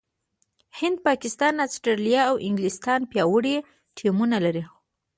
هند، پاکستان، استراليا او انګلستان پياوړي ټيمونه لري.